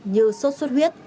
như sốt suốt huyết